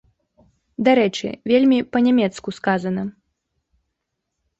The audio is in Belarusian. Дарэчы, вельмі па-нямецку сказана.